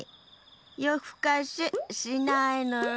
よふかししないのよ！